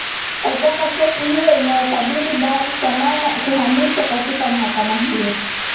otaka kesi hiyo inayokabili baru shimana kuhamishwa katika mahakama hiyo